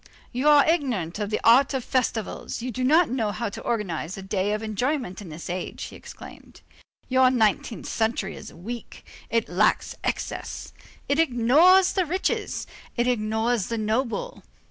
"You are ignorant of the art of festivals. You do not know how to organize a day of enjoyment in this age," he exclaimed. "Your nineteenth century is weak. It lacks excess. It ignores the rich, it ignores the noble.